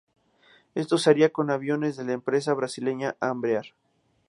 Esto se haría con aviones de la empresa brasileña Embraer.